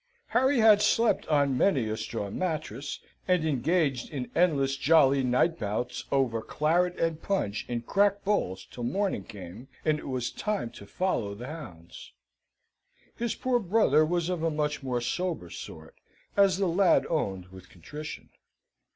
Harry had slept on many a straw mattress, and engaged in endless jolly night bouts over claret and punch in cracked bowls till morning came, and it was time to follow the hounds. His poor brother was of a much more sober sort, as the lad owned with contrition.